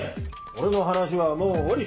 俺の話はもう終わり！